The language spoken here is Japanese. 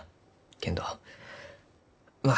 けんどまあ